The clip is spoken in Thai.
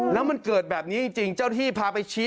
แล้วมันเกิดแบบนี้จริงเจ้าที่พาไปชี้